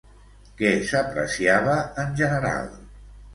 Què s'apreciava en general?